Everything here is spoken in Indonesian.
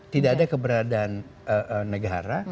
tidak ada keberadaan negara